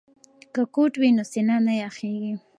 که کوټ وي نو سینه نه یخیږي.